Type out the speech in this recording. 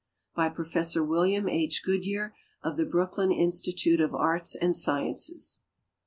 By Prof. William H. Goodyear, of the Brooklyn Insti tute of Ai'ts and Sciences.